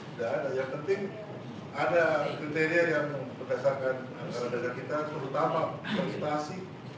tidak ada yang penting ada kriteria yang memperkasakan antara negara kita terutama prestasi